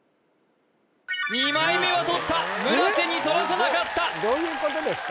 ２枚目はとった村瀬にとらせなかったどういうことですか？